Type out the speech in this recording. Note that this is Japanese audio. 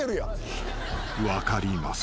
［分かります。